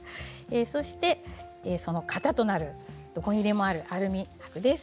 そしてその型となるどこにでもあるアルミはくです。